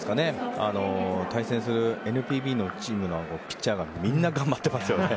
対戦するＮＰＢのチームのピッチャーがみんな頑張ってますよね。